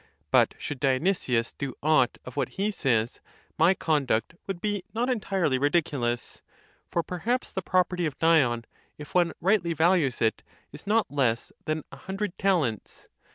But should Dionysius do aught of what he says, my conduct would be not entirely ridiculous; for perhaps the property of Dion, if one rightly values it, is not less than a hundred talents.?